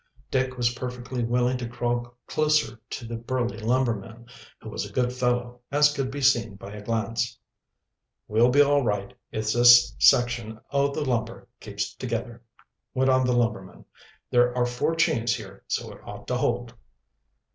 Dick was perfectly willing to crawl closer to the burly lumberman, who was a good fellow, as could be seen by a glance. "We'll be all right, if this section o' the lumber keeps together," went on the lumberman. "There are four chains here, so it ought to hold."